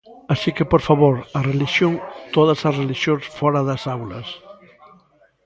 Así que, por favor, a Relixión, todas as relixións fóra das aulas.